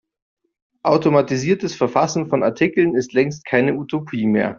Automatisiertes Verfassen von Artikeln ist längst keine Utopie mehr.